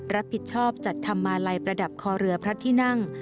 รับผิดชอบจัดทำมาลัยประดับคอเรือพระที่นั่ง